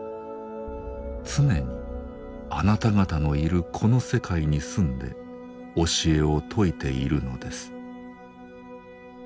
常にあなた方のいるこの世界に住んで教えを説いているのです。